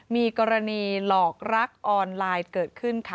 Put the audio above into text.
มีกรณีหลอกรักออนไลน์เกิดขึ้นค่ะ